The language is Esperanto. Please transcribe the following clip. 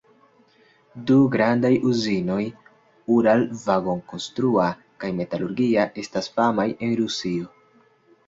Du grandaj uzinoj—Uralvagonkonstrua kaj Metalurgia estas famaj en Rusio.